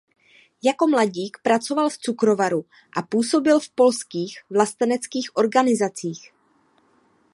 Jako mladík pracoval v cukrovaru a působil v polských vlasteneckých organizacích.